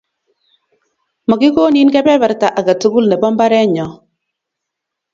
makikonin keberberta age tugul nebo mbarenyo